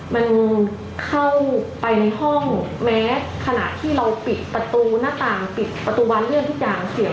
มันเข้าไปในห้องแม้ขณะที่เราปิดประตูหน้าต่างปิดประตูบานเลื่อนทุกอย่างเสีย